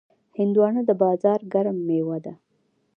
هندوانه د بازار ګرم میوه ده.